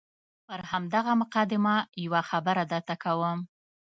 پر همدغه مقدمه یوه خبره درته کوم.